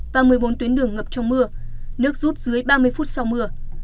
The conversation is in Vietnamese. và một mươi bốn tuyến đường ngập trong mưa nước rút dưới ba mươi phút sau mưa